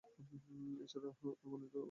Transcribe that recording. এছাড়াও অগণিত উপ-পত্নী ছিল তার।